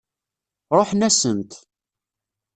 Ṛuḥen-asent.